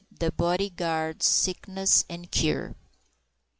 _The Body Guard's Sickness and Cure.